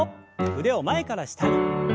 腕を前から下に。